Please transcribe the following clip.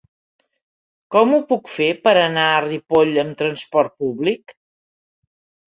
Com ho puc fer per anar a Ripoll amb trasport públic?